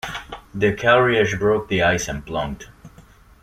The carriage broke the ice and plunged.